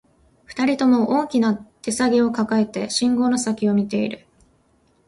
二人とも、大きな手提げを抱えて、信号の先を見ている